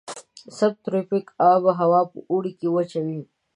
سب تروپیک آب هوا په اوړي کې وچه وي.